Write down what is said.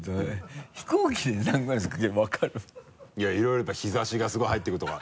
いやいろいろやっぱ日差しがすごい入ってくるとか。